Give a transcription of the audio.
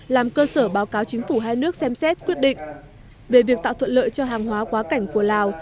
làm cơ sở báo cáo chính phủ hai nước xem xét quyết định về việc tạo thuận lợi cho hàng hóa quá cảnh của lào